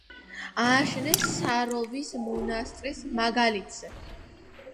ააშენეს საროვის მონასტრის მაგალითზე.